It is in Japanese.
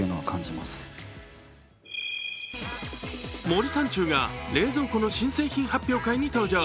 森三中が冷蔵庫の新製品発表会に登場。